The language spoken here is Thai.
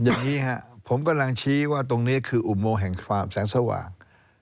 อย่างนี้ครับผมกำลังชี้ว่าตรงนี้คืออุโมงแห่งความแสงสว่าง